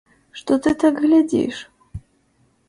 Што ты так глядзіш?